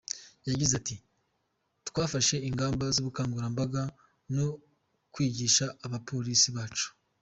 Yagize ati :”twafashe ingamba z’ubukangurambaga no kwigisha abapolisi bacu.